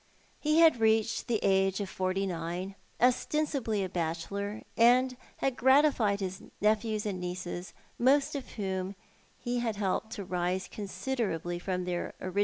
He had reached the age of forty nine, ostensibly a bachelor, and had gratified his nephews and nieces, most of whom he had helped to rise considerably from their orig.